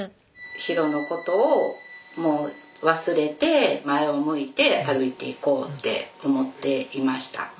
ヒロのことをもう忘れて前を向いて歩いていこうって思っていました。